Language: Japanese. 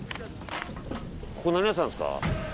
ここ何屋さんですか？